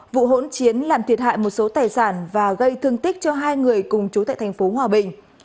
vụ hỗn chiến làm thiệt hại một số tài sản và gây thương tích cho hai người cùng chú tại thành phố hòa bình